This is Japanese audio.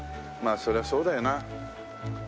まあそりゃそうだよな。